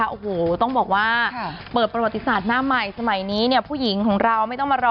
โอ้โหต้องบอกว่าเปิดประวัติศาสตร์หน้าใหม่สมัยนี้เนี่ยผู้หญิงของเราไม่ต้องมารอ